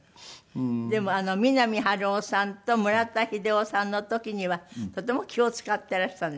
でも三波春夫さんと村田英雄さんの時にはとても気を使っていらしたんですって？